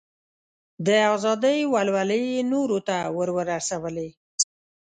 د ازادۍ ولولې یې نورو ته ور ورسولې.